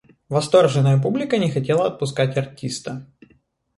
Восторженная публика не хотела отпускать артиста.